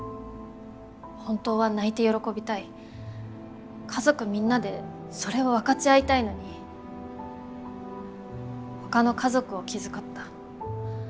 本当は泣いて喜びたい家族みんなでそれを分かち合いたいのに他の家族を気遣った。